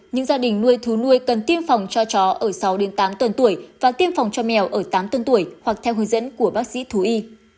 những gia đình nuôi thú nuôi cần tiêm phòng cho chó ở sáu đến tám tuần tuổi và tiêm phòng cho mèo ở tám tuần tuổi hoặc theo hướng dẫn của bác sĩ thú y